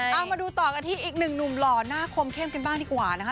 เอามาดูต่อกันที่อีกหนึ่งหนุ่มหล่อหน้าคมเข้มกันบ้างดีกว่านะคะ